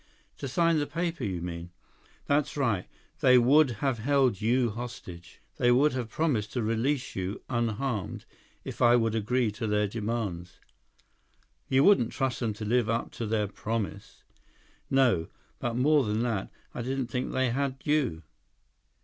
"To sign the paper, you mean?" "That's right. They would have held you hostage. They would have promised to release you, unharmed, if I would agree to their demands." "You wouldn't trust them to live up to their promise?" 157 "No. But more than that. I didn't think they had you.